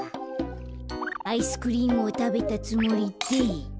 アイスクリームをたべたつもりで。